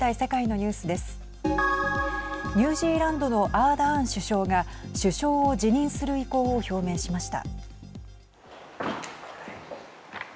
ニュージーランドのアーダーン首相が首相を辞任する意向を表明しました。